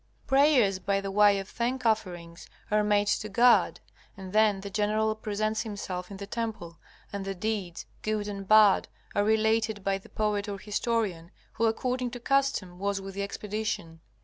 Prayers by the way of thank offerings are made to God, and then the general presents himself in the temple, and the deeds, good and bad, are related by the poet or historian, who according to custom was with the expedition.